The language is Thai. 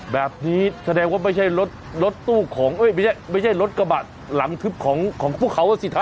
แบบนี้แสดงว่าไม่ใช่รถรถตู้ของไม่ใช่รถกระบะหลังทึบของพวกเขาสิทธา